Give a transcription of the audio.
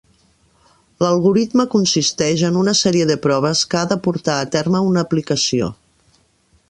L'algoritme consisteix en una sèrie de proves que ha de portar a terme una aplicació.